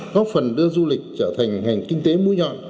góp phần đưa du lịch trở thành ngành kinh tế mũi nhọn